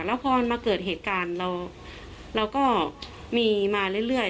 แล้วพอมาเกิดเหตุการณ์เราก็มีมาเรื่อย